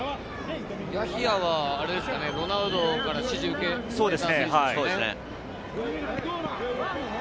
ヤヒヤはロナウドから指示を受けた選手ですよね。